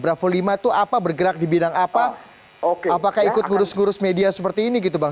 bravo lima itu apa bergerak di bidang apa apakah ikut ngurus ngurus media seperti ini gitu bang